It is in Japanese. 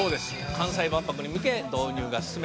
「関西万博に向け導入が進められまして」